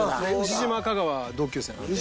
牛島香川同級生なので。